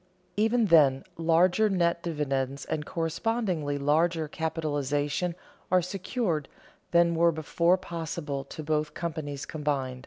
Even then, larger net dividends and correspondingly larger capitalization are secured than were before possible to both companies combined.